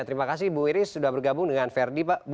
terima kasih bu iris sudah bergabung dengan verdi